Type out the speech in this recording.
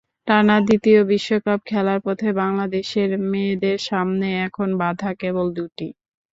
টানা দ্বিতীয় বিশ্বকাপ খেলার পথে বাংলাদেশের মেয়েদের সামনে এখন বাধা কেবল দুটি।